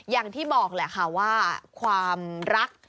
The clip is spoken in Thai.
อย่างที่บอกแหละค่ะว่าความรัก